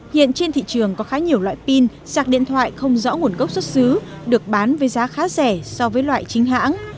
hiện trên thị trường có khá nhiều loại pin sạc điện thoại không rõ nguồn gốc xuất xứ được bán với giá khá rẻ so với loại chính hãng